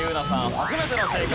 初めての正解。